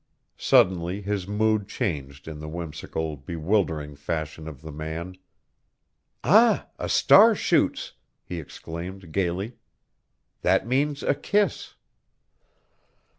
Suddenly his mood changed in the whimsical, bewildering fashion of the man. "Ah, a star shoots!" he exclaimed, gayly. "That means a kiss!"